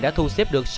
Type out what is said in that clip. đã thu xếp được